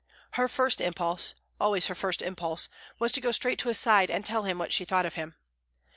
Her first impulse, always her first impulse, was to go straight to his side and tell him what she thought of him.